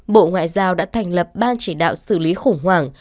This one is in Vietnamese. bộ ngoại giao đã thành lập ban chỉ đạo xử lý khủng hoảng